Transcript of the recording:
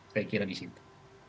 saya kira di situ